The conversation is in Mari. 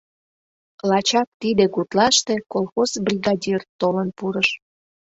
Лачак тиде гутлаште колхоз бригадир толын пурыш.